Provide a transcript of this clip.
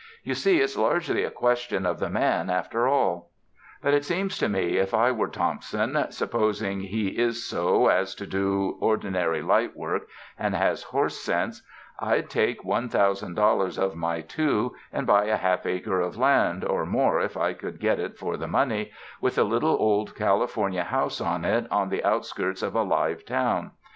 You see it's largely a question of the man after all. "But it seems to me if I were Thompson, suppos ing he is so as to do ordinary light work and has horse sense, I'd take one thousand dollars of my two, and buy a half acre of land, or more if I could get it for the money, with a little old California house on it, on the outskirts of a live town.